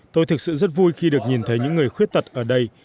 tôi thực sự rất vui khi được nhìn thấy những người khuyết tật ở đây